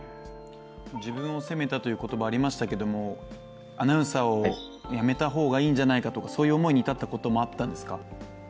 自分を責めたという言葉がありましたけどアナウンサーを辞めた方がいいんじゃないかそういう思いに至ったこともあったんですか？